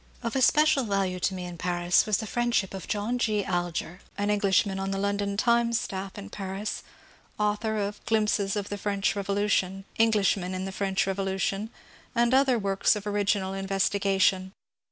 Of especial value to me in Paris was the friendship of John G. Alger, an Englishman on the London ^^ Times " staff in Paris, author of " Glimpses of the French Revolution," " Eng lishmen in the French Revolution," and other works of origi nal investigation.